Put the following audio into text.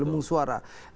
lembong suara lah ya